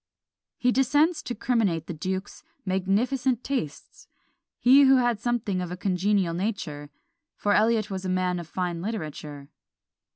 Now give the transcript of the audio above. He descends to criminate the duke's magnificent tastes; he who had something of a congenial nature; for Eliot was a man of fine literature.